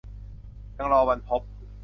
ยังรอวันพบ